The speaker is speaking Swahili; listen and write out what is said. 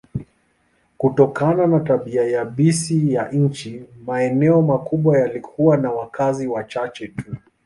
Kutokana na tabia yabisi ya nchi, maeneo makubwa yalikuwa na wakazi wachache tu.